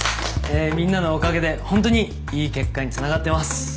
えぇみんなのおかげでほんとにいい結果につながってます。